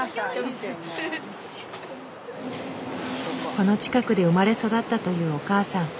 この近くで生まれ育ったというお母さん。